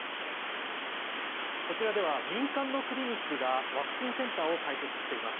こちらでは民間のクリニックがワクチンセンターを開設しています。